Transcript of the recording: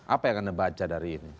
apa yang anda baca dari ini